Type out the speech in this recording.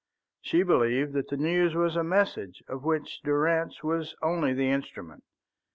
She believed that the news was a message of which Durrance was only the instrument.